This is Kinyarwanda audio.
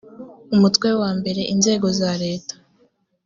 umutwe wa mbere inzego za leta